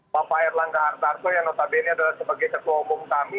bapak erlangga hartarto yang notabene adalah sebagai ketua umum kami